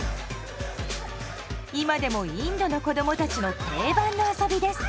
今でもインドの子どもたちの定番の遊びです。